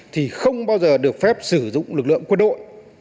thì không bao giờ được phép sử dụng lực lượng quân đội